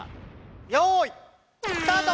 よいスタート！